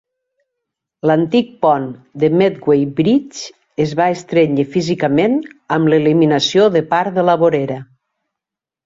L'antic pont de Medway Bridge es va estrènyer físicament amb l'eliminació de part de la vorera.